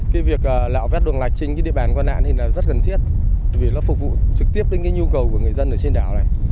cái việc lạo vét đường lạch trên địa bàn quan lạn thì rất cần thiết vì nó phục vụ trực tiếp đến nhu cầu của người dân ở trên đảo này